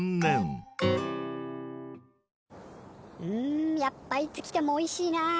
うんやっぱいつ来てもおいしいな。